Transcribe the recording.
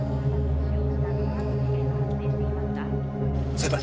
先輩。